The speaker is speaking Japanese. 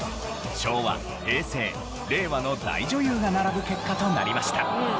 昭和・平成・令和の大女優が並ぶ結果となりました。